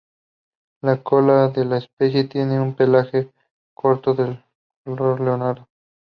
La cola de la especie tiene un pelaje corto de color leonado.